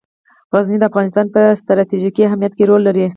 غزني د افغانستان په ستراتیژیک اهمیت کې رول لري.